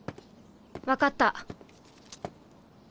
分かった。